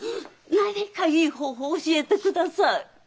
何かいい方法を教えてください！